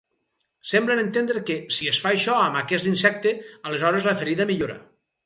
Semblen entendre que, si es fa això amb aquest insecte, aleshores la ferida millora.